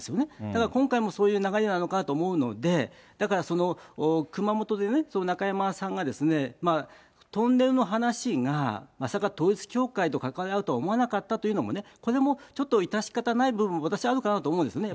だから今回もそういう流れなのかなと思うので、だからその熊本のほうで中山さんが、トンネルの話が、まさか統一教会と関わりがあるとは思わなかったというのも、これもちょっと致し方ない部分、私あるかなと思うんですね。